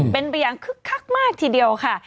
เป็นไปอย่างคึกคักมากทีเดียวค่ะ